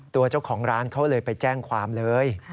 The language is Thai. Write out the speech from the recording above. ตัวเจ้าของร้านเขาเลยไปแจ้งความเลย